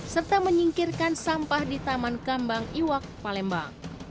serta menyingkirkan sampah di taman kambang iwak palembang